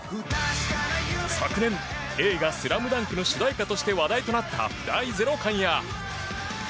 昨年映画「ＳＬＡＭＤＵＮＫ」の主題歌として話題になった「第ゼロ感」や。